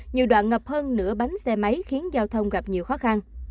nhiều đoạn ngập hơn nửa bánh xe máy khiến giao thông gặp nhiều khó khăn